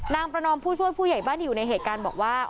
ประนอมผู้ช่วยผู้ใหญ่บ้านที่อยู่ในเหตุการณ์บอกว่า